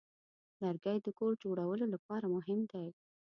لرګی د کور جوړولو لپاره مهم دی.